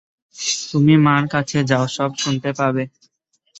তুমি মার কাছে যাও, সব শুনতে পাবে।